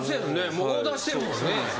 もうオーダーしてんもんね。